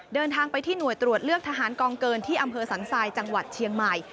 เดินทางไปที่หน่วยตรวจเลือกทหารกองเกินที่อำเภอสันทรายจังหวัดเชียงใหม่